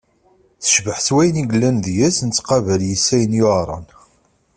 Tecbeḥ s wayen yellan deg-s, nettqabel yes-s ayen yuɛren.